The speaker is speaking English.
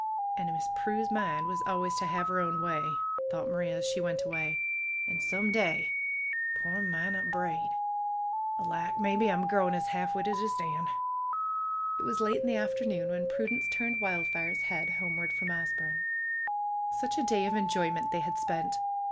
^^And Miss Prue's mind was always to have her own way," thought Maria, as she went away. '^And some PRUE'S GARDENER 191 day Poor Minot Braid ! Alack ! Maybe I'm grow ing as half witted as Dan !" It was late in the afternoon when Prudence turned Wildfire's head homeward from Asburne. Such a day of enjoyment they had spent